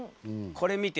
これ見て。